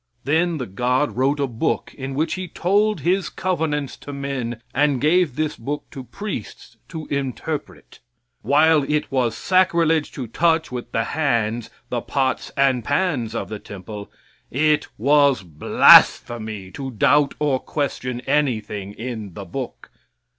Then the God wrote a book in which He told His covenants to men, and gave this book to priests to interpret. While it was sacrilege to touch with the hands the pots and pans of the temple, it was blasphemy to doubt or question anything in the book.